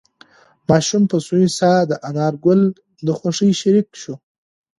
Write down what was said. ماشوم په سوې ساه د انارګل د خوښۍ شریک شو.